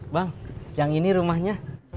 bang yang ini rumahnya